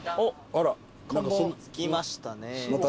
着きましたね。